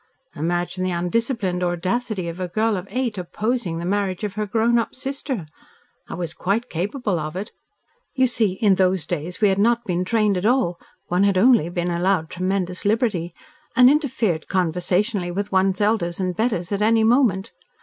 "Imagine the undisciplined audacity of a child of eight 'opposing' the marriage of her grown up sister. I was quite capable of it. You see in those days we had not been trained at all (one had only been allowed tremendous liberty), and interfered conversationally with one's elders and betters at any moment.